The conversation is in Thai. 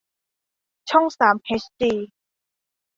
ช่องสามเอชดี